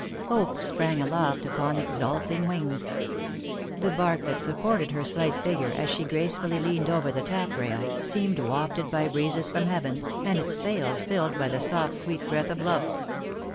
Hope sprang aloft upon exulting wings ; the bark that supported her slight figure, as she gracefully leaned over the taflfrail, seemed wafted by breezes from heaven, and its sails filled by the soft sweet breath of love.